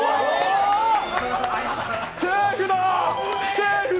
セーフだ！